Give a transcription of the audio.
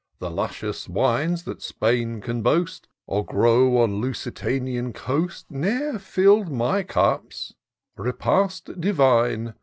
The luscious wines that Spain can boast, Or grow on Lusitanian coast, Ne'er fiU'd my cups :—* Repast divine